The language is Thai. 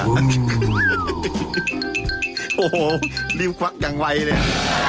โอ้โหรีบควักอย่างไวเลย